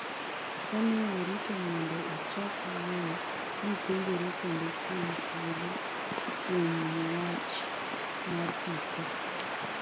Kane orito mondo ochak wuoyo, nopenjore kendo kuom thuolo kuom mwach mar tipo.